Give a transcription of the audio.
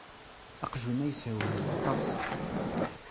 Aqjun-a yeshewhiw aṭas.